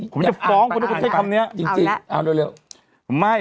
ผมจะฟ้องเขาถึงเช่นคำเนี้ยจริงจริงเอาแล้ว